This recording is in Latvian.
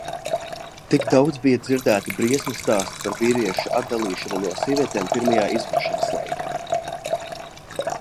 Tik daudz bija dzirdēti briesmu stāsti par vīriešu atdalīšanu no sievietēm pirmajā izvešanas laikā.